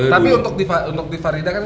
tapi untuk di farida kan